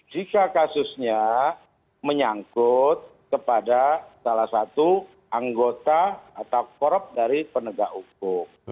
jika kasusnya menyangkut kepada salah satu anggota atau korup dari penegak hukum